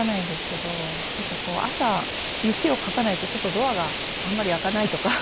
なんかこう朝雪をかかないとちょっとドアがあまり開かないとか。